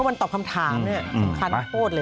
วันตอบคำถามสำคัญโปรดเลย